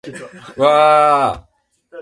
わああああ